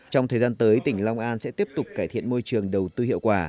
trong thời gian tới tỉnh long an sẽ tiếp tục cải thiện môi trường đầu tư hiệu quả